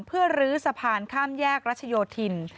เพื่อลื้อสะพานข้ามแยกรัชโยธิน